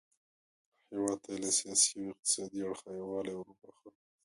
هیواد ته یې له سیاسي او اقتصادي اړخه یووالی وروباښه.